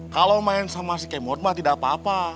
kalau main sama si kemod mas tidak apa apa